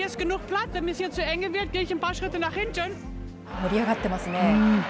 盛り上がってますね。